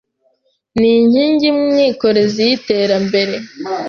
Ni inkingi mwikorezi y’iterambere.